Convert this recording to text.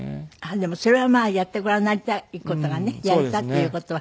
でもそれはまあやってごらんになりたい事がねやれたっていう事は。